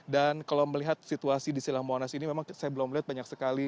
dan kalau melihat situasi di silangmonas ini memang saya belum melihat banyak sekali